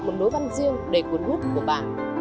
một nối văn riêng đầy cuốn bút của bà